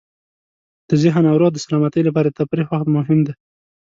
د ذهن او روح د سلامتۍ لپاره د تفریح وخت مهم دی.